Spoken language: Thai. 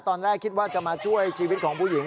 ตอนแรกคิดว่าจะมาช่วยชีวิตของผู้หญิง